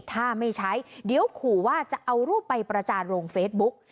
ถ้าไม่ใช้เดี๋ยวขู่ว่าจะเอารูปไปประจานลงเฟซบุ๊ก